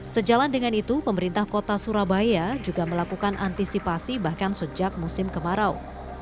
sejalan dengan itu pemerintah kota surabaya juga melakukan antisipasi bahkan sejak musim kemarau